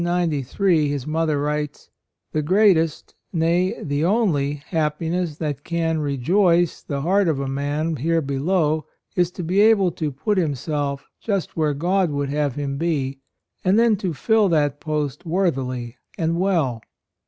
In 1793 his mother writes: "The greatest— nay, the only happiness that can rejoice the heart of man here below is to be able to put himself just there where God would have 68 A ROYAL SON him be, and then to fill that post worthily and well."